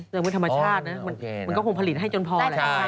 แต่มันธรรมชาตินะมันก็คงผลิตให้จนพอแล้ว